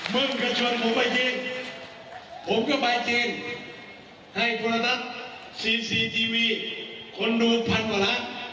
มึงก็ชวนผมไปเจนผมก็ไปเจนให้กุณะนักซีซีทีวีคนดูพันประหลาด